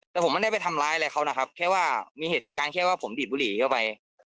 แต่ผมไม่ได้ไปทำร้ายอะไรเขานะครับแค่ว่ามีเหตุการณ์แค่ว่าผมดีดบุหรี่เข้าไป